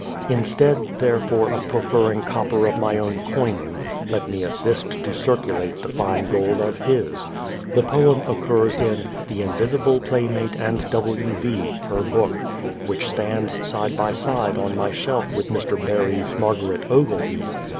Instead, therefore, of proffering copper of my own coining, let me assist to circulate the fine gold of his. The poem occurs in " The Invisible Playmate and W. V., Her Book," which stands side by side on my 7 The Child Face shelf with Mr. Barrie's " Margaret Ogilvy.'